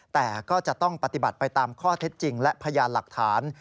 แต่ก็จะต้องปฏิบัติไปตามข้อเท็จจริงและพยานหลักฐาน